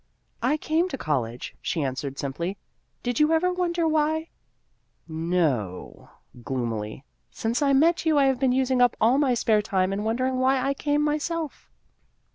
" I came to college," she answered simply, " did you ever wonder why ?" "No," gloomily; "since I met you, I have been using up all my spare time in wondering why I came myself."